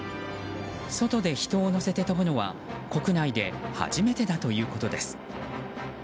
外で人を乗せて飛ぶのは国内で初めてだということです。